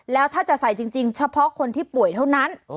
แล้วถ้าจะใส่จริงเฉพาะคนที่ป่วยเท่านั้น